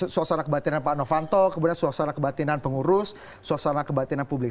suasana kebatinan pak novanto kemudian suasana kebatinan pengurus suasana kebatinan publik